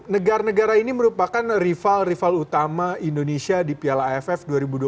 negara negara ini merupakan rival rival utama indonesia di piala aff dua ribu dua puluh